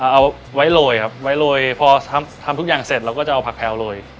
เอาไว้โรยครับไว้โรยพอทำทุกอย่างเสร็จเราก็จะเอาผักแพลวโรย